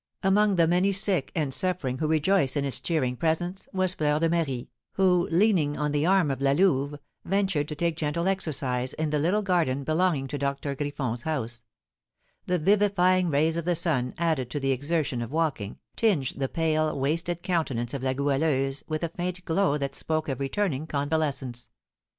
Among the many sick and suffering who rejoiced in its cheering presence was Fleur de Marie, who, leaning on the arm of La Louve, ventured to take gentle exercise in the little garden belonging to Doctor Griffon's house; the vivifying rays of the sun, added to the exertion of walking, tinged the pale, wasted countenance of La Goualeuse with a faint glow that spoke of returning convalescence.